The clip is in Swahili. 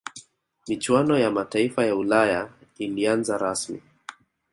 michuano ya mataifa ya ulaya ilianza rasmi